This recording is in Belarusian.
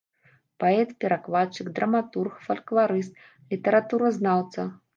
Паэт, перакладчык, драматург, фалькларыст, літаратуразнаўца.